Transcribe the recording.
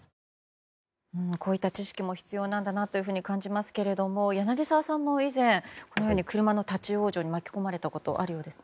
こういった知識も必要なんだなと感じますが柳澤さんも以前車の立ち往生に巻き込まれたことあるようですね。